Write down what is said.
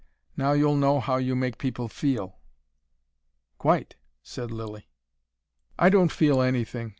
Now you'll know how you make people feel." "Quite!" said Lilly. "I don't feel anything.